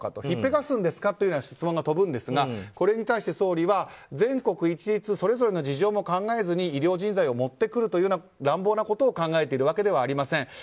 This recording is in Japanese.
引っぺがすんですかという質問が飛ぶんですがこれに対して、総理は全国一律それぞれの事情も考えずに医療人材を持ってくるというような乱暴なことを考えているわけではありません。